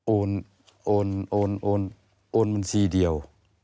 โอนโอนโอนโอนโอนบัญชีเดียว